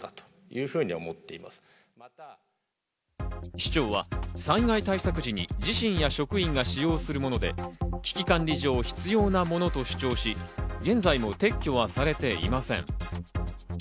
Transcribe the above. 市長は災害対策時に自身や職員が使用するもので、危機管理上必要なものと主張し、現在も撤去はされていません。